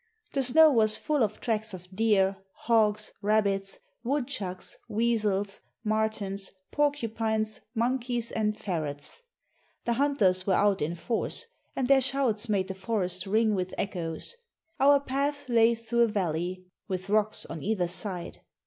The snow was full of tracks of deer, hogs, rabbits, woodchucks, weasels, martens, porcupines, monkeys, and ferrets. The hunters were out in force, and their shouts made the forest ring with echoes. Our path lay through a valley, with rocks on either side.